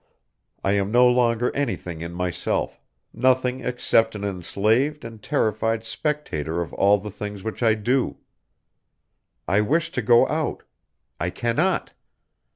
I am no longer anything in myself, nothing except an enslaved and terrified spectator of all the things which I do. I wish to go out; I cannot.